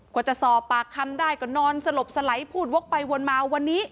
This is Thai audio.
กว่าจะสอบปากคำได้ก็นอนสลบสไหลพูดวกไปวนมาวันนี้